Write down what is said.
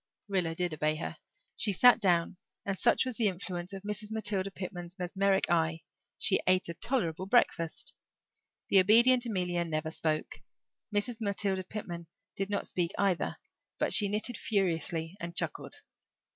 Rilla did obey her. She sat down and, such was the influence of Mrs. Matilda Pitman's mesmeric eye, she ate a tolerable breakfast. The obedient Amelia never spoke; Mrs. Matilda Pitman did not speak either; but she knitted furiously and chuckled.